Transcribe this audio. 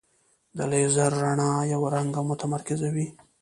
د لیزر رڼا یو رنګه او متمرکزه وي.